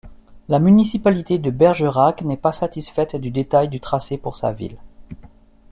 La municipalité de Bergerac n'est pas satisfaite du détail du tracé pour sa ville.